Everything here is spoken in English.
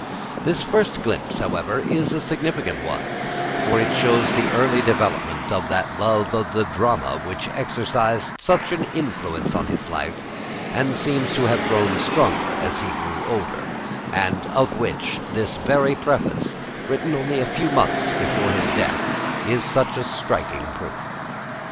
This first glimpse, however, is a significant one, for it shows the early development of that love of the drama which exercised such an influence on his life and seems to have grown stronger as he grew older, and of which this very preface, written only a few months before his death, is such a striking proof.